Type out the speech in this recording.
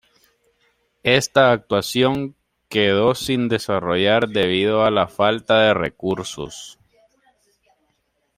Esta actuación quedó sin desarrollar debido a la falta de recursos.